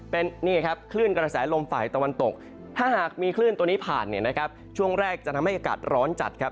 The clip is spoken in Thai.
เป็นนี่ครับคลื่นกระแสลมฝ่ายตะวันตกถ้าหากมีคลื่นตัวนี้ผ่านเนี่ยนะครับช่วงแรกจะทำให้อากาศร้อนจัดครับ